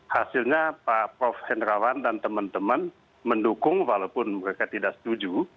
hasilnya pak prof hendrawan dan teman teman mendukung walaupun mereka tidak setuju